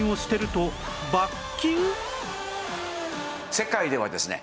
世界ではですね